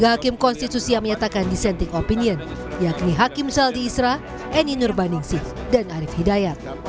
dua hakim konstitusi yang menyatakan dissenting opinion yakni hakim saldi isra eni nurbaningsih dan arief hidayat